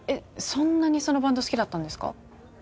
そんなにそのバンド好きだったんですか？